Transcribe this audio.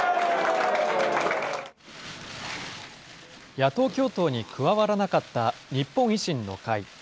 野党共闘に加わらなかった日本維新の会。